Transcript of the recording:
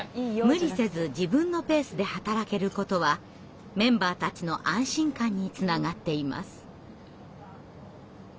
無理せず自分のペースで働けることはメンバーたちの安心感につながっています。